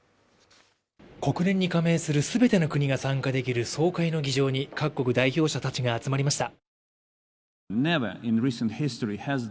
国連に加盟する全ての国が参加できる総会の議場に各国代表者たちが集まりました。